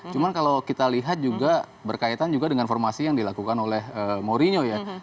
cuma kalau kita lihat juga berkaitan juga dengan formasi yang dilakukan oleh mourinho ya